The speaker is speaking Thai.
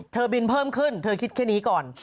บินเพิ่มขึ้นเธอคิดแค่นี้ก่อน